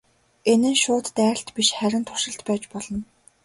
Энэ нь шууд дайралт биш харин туршилт байж болно.